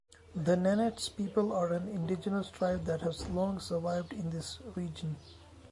The Nenets people are an indigenous tribe that have long survived in this region.